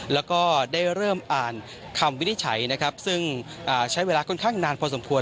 แล้วก็ได้เริ่มอ่านคำวินิจฉัยนะครับซึ่งใช้เวลาค่อนข้างนานพอสมควร